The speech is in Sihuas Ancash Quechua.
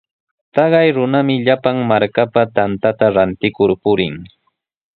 Taqay runami llapan markapa tantata rantikur purin.